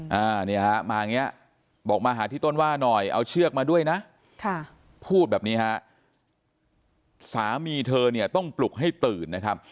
อ่าเนี่ยฮะมาอย่างเงี้ยบอกมาหาที่ต้นว่าหน่อยเอาเชือกมาด้วยนะค่ะพูดแบบนี้ฮะสามีเธอเนี่ยต้องปลุกให้ตื่นนะครับ